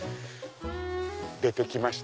出て来ました。